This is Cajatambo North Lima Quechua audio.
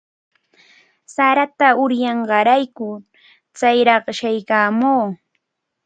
Sarata uryanqaarayku chayraq shamuykaamuu.